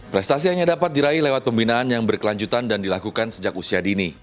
prestasi hanya dapat diraih lewat pembinaan yang berkelanjutan dan dilakukan sejak usia dini